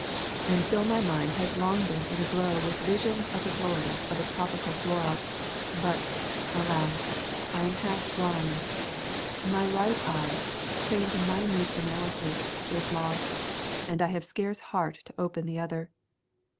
And so my mind has long been in a glow with visions of the glories of a tropical flora; but, alas, I am half blind. My right eye, trained to minute analy sis, is lost and I have scarce heart to open the other.